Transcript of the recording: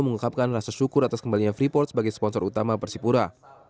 mengungkapkan rasa syukur atas kembalinya freeport sebagai sponsor utama persipura